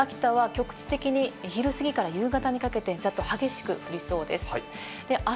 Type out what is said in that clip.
秋田は局地的に昼すぎから夕方にかけてザッと激しく降りそうです。